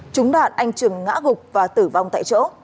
chúng đoạn anh trường ngã gục và tử vong tại chỗ